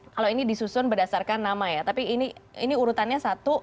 kalau ini disusun berdasarkan nama ya tapi ini urutannya satu